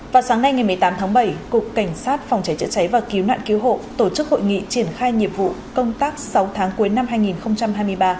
vào sáng nay ngày một mươi tám tháng bảy cục cảnh sát phòng cháy chữa cháy và cứu nạn cứu hộ tổ chức hội nghị triển khai nhiệm vụ công tác sáu tháng cuối năm hai nghìn hai mươi ba